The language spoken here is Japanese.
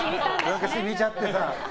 染みちゃってさ。